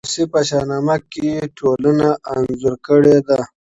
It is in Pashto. فردوسي په شاهنامه کي ټولنه انځور کړې ده.